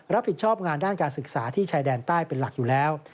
รับผิดชอบงานด้านการศึกษาที่ชายแดนใต้เป็นหลักอยู่แล้ว